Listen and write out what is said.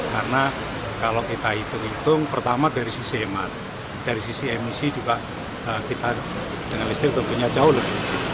karena kalau kita hitung hitung pertama dari sisi emat dari sisi emisi juga kita dengan listrik tentunya jauh lebih